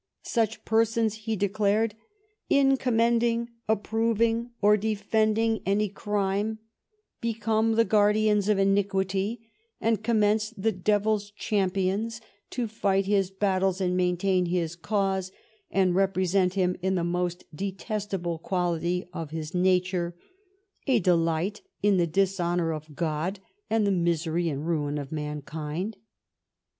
Such persons, he declared, " in com mending, approving, or defending any crime ... become the guardians of iniquity, and commence the devil's champions to fight his battles and maintain his cause, and represent him in the most detestable quality of his nature — a delight in the dishonour of God and the misery and ruin of mankind."